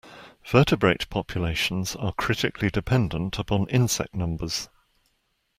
Vertebrate populations are critically dependent upon insect numbers.